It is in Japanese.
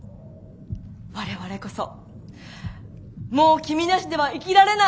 我々こそもう君なしでは生きられない。